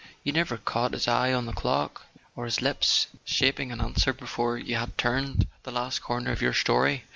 You never caught his eye on the clock, or his lips shaping an answer be¬ fore you had turned the last corner of your story.